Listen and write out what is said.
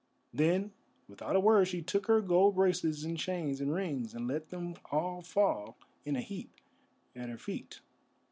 Then, without a word, she took her gold bracelets and chains and rings, and let them all fall in a heap at her feet.